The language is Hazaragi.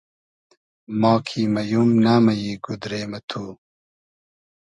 ما کی مئیوم, نئمئیی گودرې مہ تو